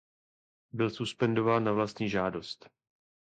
Byl suspendován na vlastní žádost.